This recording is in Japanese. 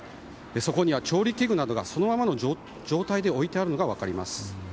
そこには調理器具などがそのままの状態で置いてあるのが分かります。